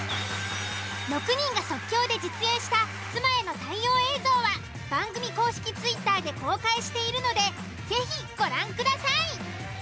６人が即興で実演した妻への対応映像は番組公式Ｔｗｉｔｔｅｒで公開しているので是非ご覧ください。